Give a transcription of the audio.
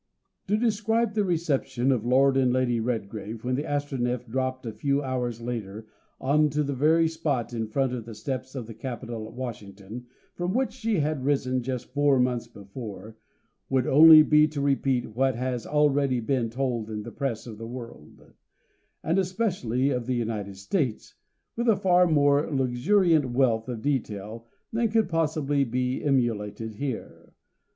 To describe the reception of Lord and Lady Redgrave when the Astronef dropped a few hours later, on to the very spot in front of the steps of the Capitol at Washington from which she had risen just four months before, would only be to repeat what has already been told in the Press of the world, and especially of the United States, with a far more luxuriant wealth of detail than could possibly be emulated here.